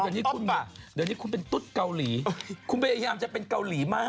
ถูกต้องต๊อบป่ะเดี๋ยวนี้คุณเป็นตุ๊ดเกาหลีคุณพยายามจะเป็นเกาหลีมาก